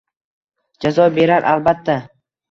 Jazo berar albatta.